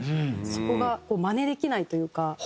そこがマネできないというか。